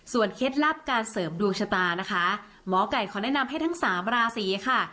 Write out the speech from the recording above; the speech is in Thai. เคล็ดลับการเสริมดวงชะตานะคะหมอไก่ขอแนะนำให้ทั้งสามราศีค่ะ